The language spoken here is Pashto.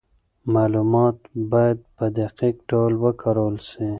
معلومات باید په دقیق ډول وکارول سي.